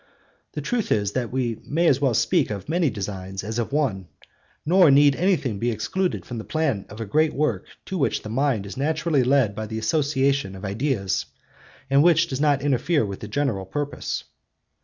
The truth is, that we may as well speak of many designs as of one; nor need anything be excluded from the plan of a great work to which the mind is naturally led by the association of ideas, and which does not interfere with the general purpose.